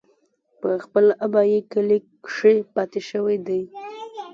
پۀ خپل ابائي کلي کښې پاتې شوے دے ۔